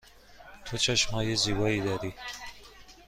تو چشم های زیبایی داری.